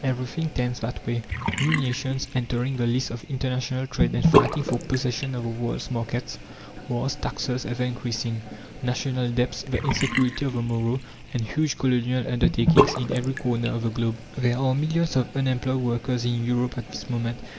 Everything tends that way new nations entering the lists of international trade and fighting for possession of the world's markets, wars, taxes ever increasing. National debts, the insecurity of the morrow, and huge colonial undertakings in every corner of the globe. There are millions of unemployed workers in Europe at this moment.